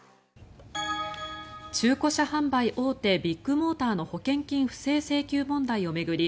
中古車販売大手ビッグモーターの保険金不正請求問題を巡り